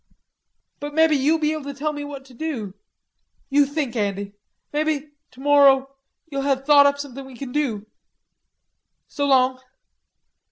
"But mebbe you'll be able to tell me what to do. You think, Andy. Mebbe, tomorrow, you'll have thought up somethin' we can do...So long."